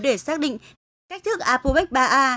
để xác định cách thức apobex ba a